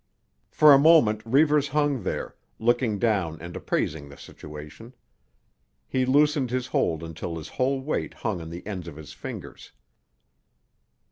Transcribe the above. For a moment Reivers hung there, looking down and appraising the situation. He loosened his hold until his whole weight hung on the ends of his fingers.